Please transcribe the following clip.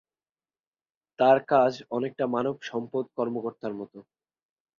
তার কাজ অনেকটা মানব সম্পদ কর্মকর্তার মতো।